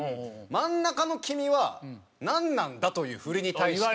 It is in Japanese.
「真ん中の君はなんなんだ？」という振りに対してさあ。